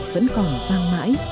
vẫn còn vang mãi